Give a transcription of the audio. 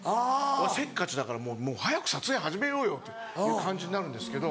俺せっかちだからもう早く撮影始めようよ！っていう感じになるんですけど。